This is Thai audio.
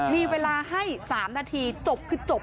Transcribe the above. มีเวลาให้๓นาทีจบคือจบ